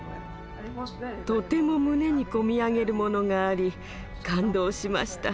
とても胸に込み上げるものがあり感動しました。